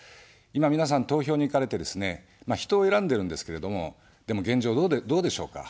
今、皆さん投票に行かれてですね、人を選んでるんですけれども、でも現状どうでしょうか。